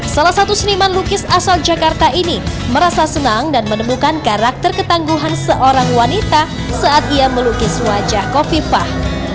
salah satu seniman lukis asal jakarta ini merasa senang dan menemukan karakter ketangguhan seorang wanita saat ia melukis wajah kofifah